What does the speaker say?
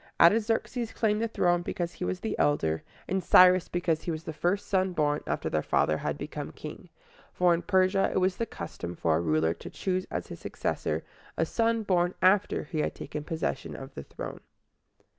Artaxerxes claimed the throne because he was the elder, and Cyrus because he was the first son born after their father had become king; for in Persia it was the custom for a ruler to choose as his successor a son born after he had taken possession of the throne.